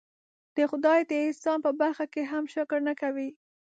د خدای د احسان په برخه کې هم شکر نه کوي.